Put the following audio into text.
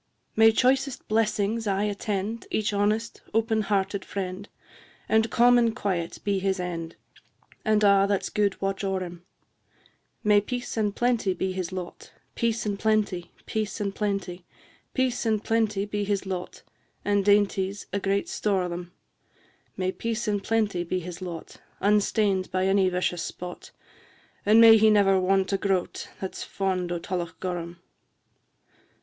V. May choicest blessings aye attend Each honest, open hearted friend, And calm and quiet be his end, And a' that's good watch o'er him; May peace and plenty be his lot, Peace and plenty, peace and plenty, Peace and plenty be his lot, And dainties a great store o' them: May peace and plenty be his lot, Unstain'd by any vicious spot, And may he never want a groat, That 's fond o' Tullochgorum!